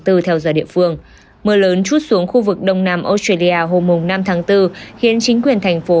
mưa lớn trút xuống khu vực đông nam australia hôm năm tháng bốn khiến chính quyền thành phố